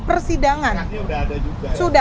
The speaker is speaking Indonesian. agar silahkan akibatnya hidup